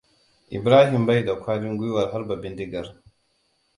Ibrahim bai da ƙwarin gwiwar harba bindigar.